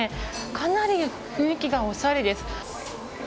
かなり雰囲気がおしゃれです。